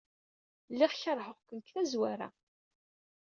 Lliɣ keṛheɣ-ken deg tazwara.